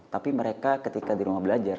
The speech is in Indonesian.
tapi mereka ketika di rumah belajar